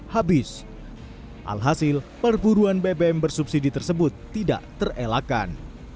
habis alhasil perburuan bbm bersubsidi tersebut tidak terelakkan